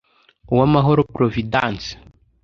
Uwamahoro Providence